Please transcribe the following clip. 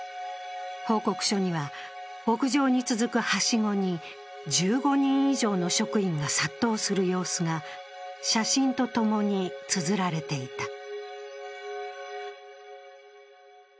報告書には、屋上に続くはしごに１５人以上の職員が殺到する様子が写真と共につづられていた。